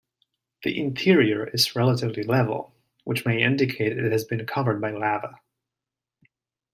The interior is relatively level, which may indicate it has been covered by lava.